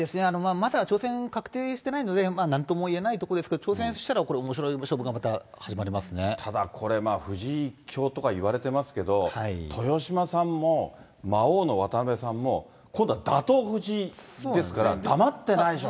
まだ挑戦確定してないので、なんとも言えないとこですけど、挑戦したら、おもしただこれ、藤井一強とかいわれてますけど、豊島さんも魔王の渡辺さんも今度は打倒、藤井ですから、黙ってないでしょう。